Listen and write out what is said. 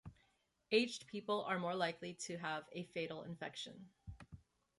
Aged people are more likely to have a fatal infection.